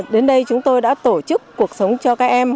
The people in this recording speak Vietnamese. đến đây chúng tôi đã tổ chức cuộc sống cho các em